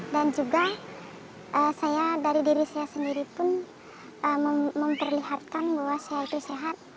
dan juga saya dari diri saya sendiri pun memperlihatkan bahwa saya itu sehat